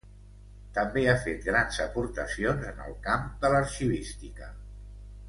També ha fet grans aportacions en el camp de l'arxivística.